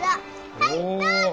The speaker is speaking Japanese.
はいどうぞ！